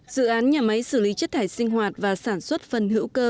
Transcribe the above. dự án nhà máy xử lý chất thải sinh hoạt và sản xuất phân hữu cơ